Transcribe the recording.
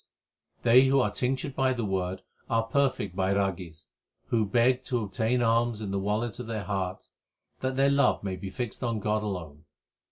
378 THE SIKH RELIGION They who are tinctured by the Word are perfect Bairagis, Who beg to obtain alms in the wallet of their hearts that their love may be fixed on God alone.